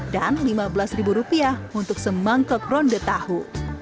dan rp lima belas untuk semangkuk ronde tahu